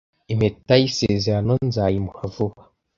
Impeta y'isezerano nzayimuha vuba